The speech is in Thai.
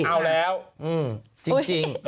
เอาแล้วจริง